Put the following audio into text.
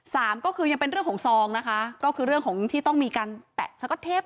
สามก็คือยังเป็นเรื่องของซองนะคะก็คือเรื่องของที่ต้องมีการแปะสก๊อตเทป